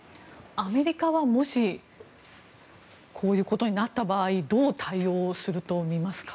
アメリカはもしこういうことになった場合どう対応すると思いますか？